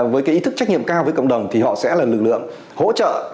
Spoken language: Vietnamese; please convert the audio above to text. với cái ý thức trách nhiệm cao với cộng đồng thì họ sẽ là lực lượng hỗ trợ